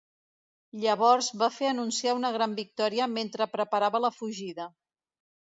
Llavors va fer anunciar una gran victòria mentre preparava la fugida.